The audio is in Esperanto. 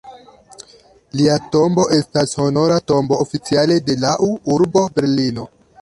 Lia tombo estas honora tombo oficiale de lau urbo Berlino.